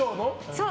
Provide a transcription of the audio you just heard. そう。